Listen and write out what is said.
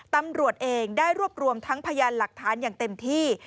ตำรวจเองได้รวบรวมทั้งพยานหลักฐานอย่างเต็มที่